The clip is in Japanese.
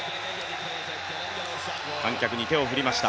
観客に手を振りました。